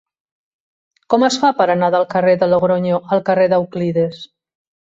Com es fa per anar del carrer de Logronyo al carrer d'Euclides?